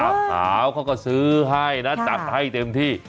ขาวเขาก็ซื้อให้นะจัดให้เต็มที่